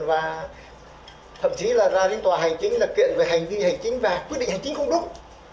và thậm chí là ra đến tòa hành chính là kiện về hành vi hành chính và quyết định hành chính không đúng